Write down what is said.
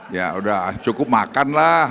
ya udah cukup makan lah